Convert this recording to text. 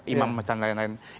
imam macam lain lain